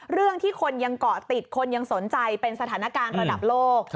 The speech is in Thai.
เรื่องที่คนยังเกาะติดคนยังสนใจเป็นสถานการณ์ระดับโลก